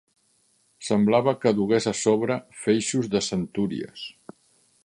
Semblava que dugués a sobre feixos de centúries